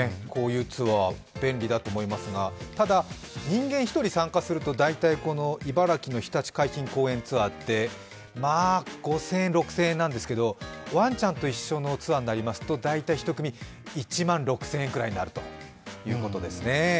便利だと思いますが、ただ人間１人参加すると茨城のひたち海浜公園ツアーで５０００円、６０００円なんですけどワンちゃんと一緒のツアーになりますと、大体１組１万６０００円くらいになるということですね。